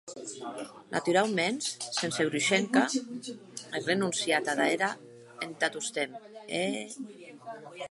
Naturauments, sense Grushenka e renonciant ada era entà tostemp, è?